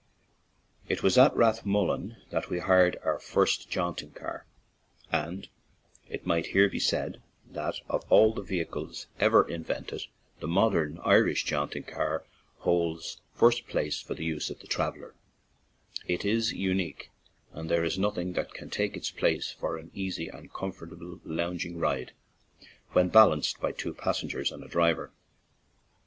It was at Rathmullen that we hired our first jaunting car; and it might here be said that of all the vehicles ever invented the modern Irish jaunting car holds first place for the use of the traveller ; it is unique and there is nothing that can take its place for an easy and comfortable lounging ride, when balanced by two passengers and a driver.